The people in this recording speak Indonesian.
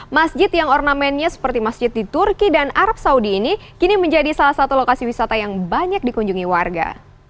masjid yang ornamennya seperti masjid di turki dan arab saudi ini kini menjadi salah satu lokasi wisata yang banyak dikunjungi warga